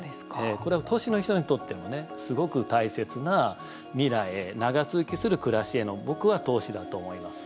これは都市の人にとってもすごく大切な未来へ長続きする暮らしへの僕は投資だと思います。